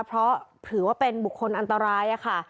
เพราะถือว่าเป็นบุคคลอันตรายค่ะ